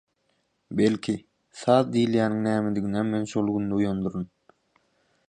Belki, saz diýilýäniň nämediginem men şol gün duýandyryn.